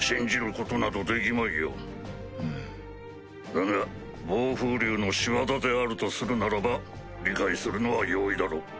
だが暴風竜の仕業であるとするならば理解するのは容易だろう。